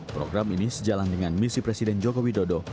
program ini sejalan dengan misi presiden jokowi dodo